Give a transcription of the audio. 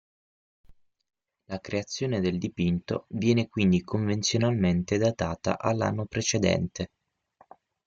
La creazione del dipinto viene quindi convenzionalmente datata all'anno precedente.